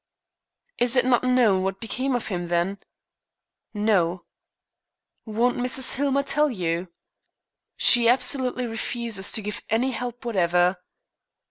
"Is it not known what became of him, then?" "No." "Won't Mrs. Hillmer tell you?" "She absolutely refuses to give any help, whatever."